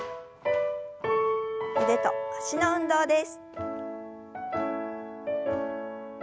腕と脚の運動です。